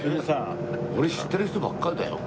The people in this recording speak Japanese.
俺知ってる人ばっかりだよ。